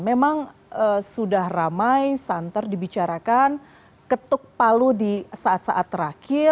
memang sudah ramai santer dibicarakan ketuk palu di saat saat terakhir